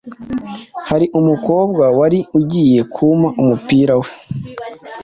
Hari umukorwa wari ugiye kumpa umupira we